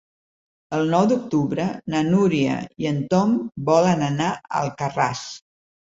El nou d'octubre na Núria i en Tom volen anar a Alcarràs.